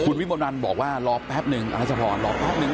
คุณวิมสมรรต์บอกว่ารอแป๊บนึงแน็ตชาพรรอแป๊บนึง